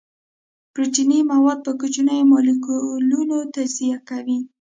پروتیني مواد په کوچنیو مالیکولونو تجزیه کوي.